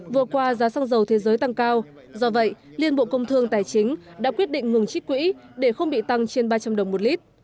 vừa qua giá xăng dầu thế giới tăng cao do vậy liên bộ công thương tài chính đã quyết định ngừng trích quỹ để không bị tăng trên ba trăm linh đồng một lít